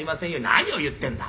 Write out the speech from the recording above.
何を言ってんだ。